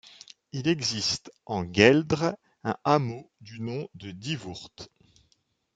Il existe en Gueldre un hameau du nom de Dievoort.